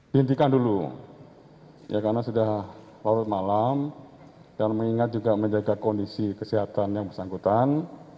dihentikan dulu ya karena sudah larut malam dan mengingat juga menjaga kondisi kesehatan yang bersangkutan